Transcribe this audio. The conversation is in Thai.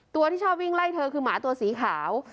ที่ชอบวิ่งไล่เธอคือหมาตัวสีขาว